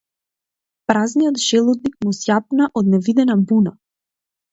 Празниот желудник му зјапна од невидена буна.